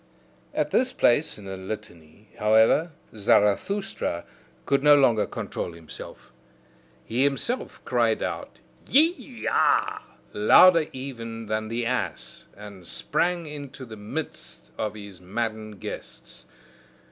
At this place in the litany, however, Zarathustra could no longer control himself; he himself cried out YE A, louder even than the ass, and sprang into the midst of his maddened guests.